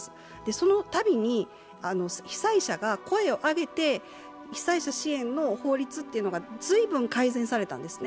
そのたびに被災者が声を上げて被災者支援の法律が随分改善されたんですね。